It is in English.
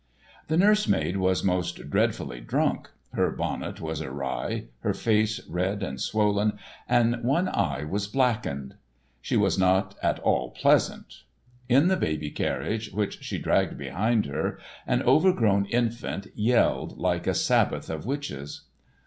The nurse maid was most dreadfully drunk, her bonnet was awry, her face red and swollen, and one eye was blackened. She was not at all pleasant. In the baby carriage, which she dragged behind her, an overgrown infant yelled like a sabbath of witches.